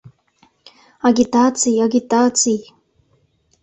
Агитаций, агитаций...